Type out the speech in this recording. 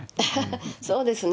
そうですね。